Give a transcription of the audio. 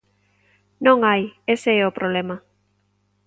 Non hai, ese é o problema.